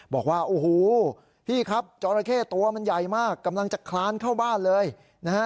บอกว่าโอ้โหพี่ครับจอราเข้ตัวมันใหญ่มากกำลังจะคลานเข้าบ้านเลยนะฮะ